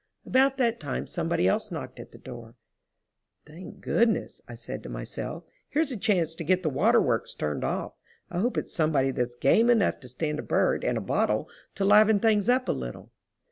About that time somebody else knocked at the door. "Thank goodness," I said to myself. "Here's a chance to get the water works turned off. I hope it's somebody that's game enough to stand a bird and a bottle to liven things up a little."